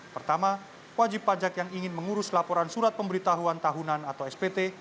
pertama wajib pajak yang ingin mengurus laporan surat pemberitahuan tahunan atau spt